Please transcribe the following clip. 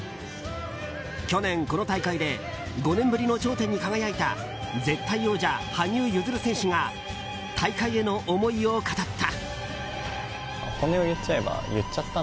去年、この大会で５年ぶりの頂点に輝いた絶対王者・羽生結弦選手が大会への思いを語った。